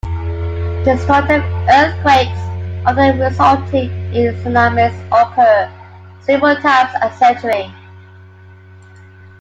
Destructive earthquakes, often resulting in tsunamis, occur several times a century.